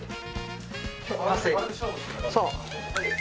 そう。